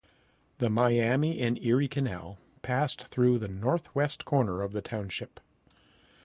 The Miami and Erie Canal passed through the northwest corner of the township.